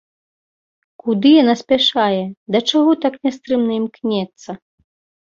Куды яна спяшае, да чаго так нястрымна імкнецца?